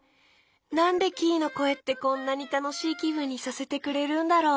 なんでキイのこえってこんなにたのしいきぶんにさせてくれるんだろう。